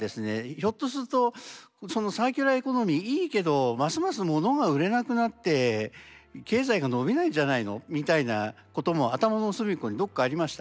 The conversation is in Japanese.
ひょっとするとそのサーキュラーエコノミーいいけどますますものが売れなくなって経済が伸びないんじゃないのみたいなことも頭の隅っこにどっかありました。